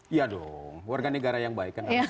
iya dong warga negara yang baik